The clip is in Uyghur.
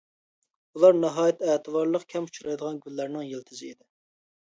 بۇلار ناھايىتى ئەتىۋارلىق، كەم ئۇچرايدىغان گۈللەرنىڭ يىلتىزى ئىدى.